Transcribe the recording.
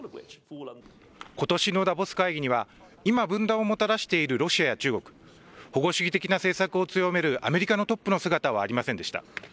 ことしのダボス会議には、今分断をもたらしているロシアや中国、保護主義的な政策を強めるアメリカのトップの姿はありませんでした。